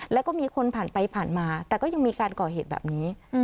แล้วก็มีคนผ่านไปผ่านมาแต่ก็ยังมีการก่อเหตุแบบนี้